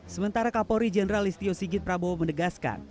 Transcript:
sementara kapolri jenderal istio sigit prabowo menegaskan